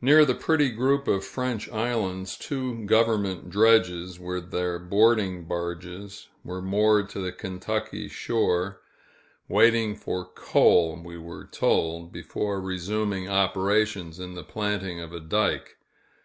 Near the pretty group of French Islands, two government dredges, with their boarding barges, were moored to the Kentucky shore waiting for coal, we were told, before resuming operations in the planting of a dike.